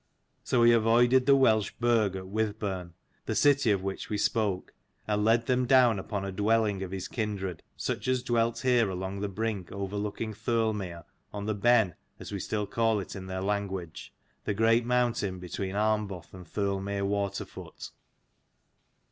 So he avoided the Welsh burg at Wythburn, the city of which we spoke, and led them down upon a dwelling of his kindred, such as dwelt here along the brink overlooking Thirlmere, on the Benn as we still call it in their language, the great mountain between Armboth and Thirlmere water foot.